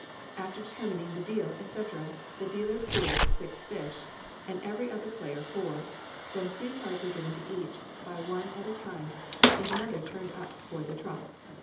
After determining the deal, &c., the dealer pools six fish, and every other player four; then three cards are given to each, by one at a time, and another turned up for trump.